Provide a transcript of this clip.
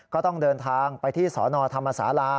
ก็ต้องเดินทางไปที่สนธรรมศาลา